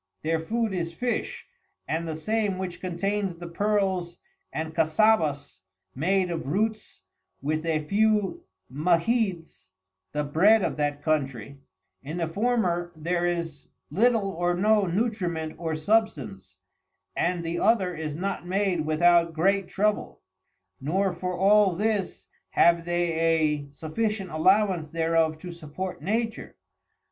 Their Food is Fish, and the same which contains the Pearls and Cassabus made of Roots with a few Mahids, the Bread of that Countrey; in the former there is little or no nutriment or substance, and the other is not made without great trouble, nor for all this have they a sufficient allowance thereof to support nature.